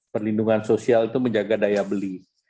perlindungan sosial itu menjaga daya beli